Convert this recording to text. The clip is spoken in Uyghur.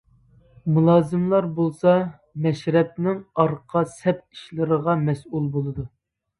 مۇلازىملار بولسا مەشرەپنىڭ ئارقا سەپ ئىشلىرىغا مەسئۇل بولىدۇ.